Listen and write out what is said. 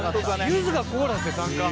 ゆずがコーラスで参加！